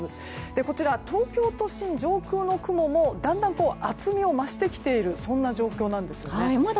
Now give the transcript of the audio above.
こちら、東京都心上空の雲もだんだんと厚みを増してきているそんな状況なんですね。